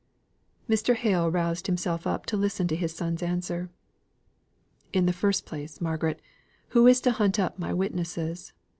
Mr. Hale roused himself up to listen to his son's answer. "In the first place, Margaret, who is to hunt up my witnesses?